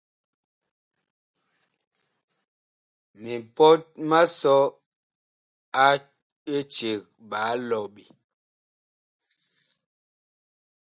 Mipɔt ma sɔ a eceg ɓaa lɔɓe.